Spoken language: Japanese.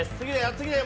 次だよ。